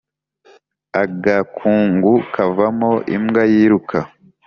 Agakungu kavamo imbwa yiruka.